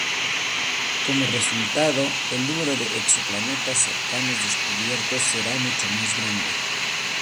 Como resultado, el número de exoplanetas cercanos descubiertos será mucho más grande.